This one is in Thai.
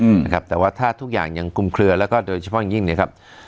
อืมนะครับแต่ว่าถ้าทุกอย่างยังคุมเคลือแล้วก็โดยเฉพาะอย่างยิ่งเนี้ยครับ